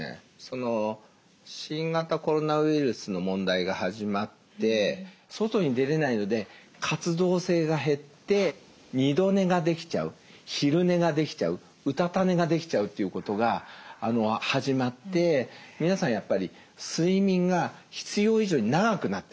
新型コロナウイルスの問題が始まって外に出れないので活動性が減って二度寝ができちゃう昼寝ができちゃううたた寝ができちゃうっていうことが始まって皆さんやっぱり睡眠が必要以上に長くなってるんですよ。